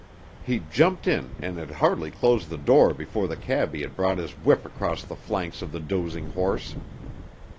He jumped in and had hardly closed the door before the cabby had brought his whip across the flanks of the dozing horse.